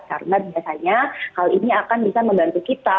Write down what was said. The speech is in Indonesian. karena biasanya hal ini akan bisa membantu kita